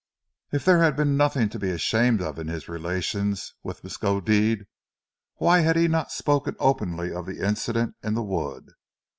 If there had been nothing to be ashamed of in his relations with Miskodeed why had he not spoken openly of the incident in the wood?